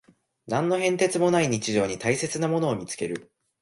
何の変哲もない日常に大切なものを見つける